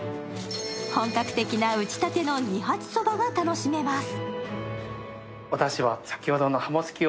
本格的な打ち立ての二八そばが楽しめます。